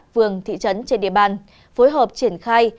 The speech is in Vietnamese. phường thị trấn trên địa bàn phối hợp triển khai